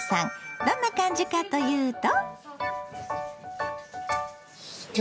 どんな感じかというと。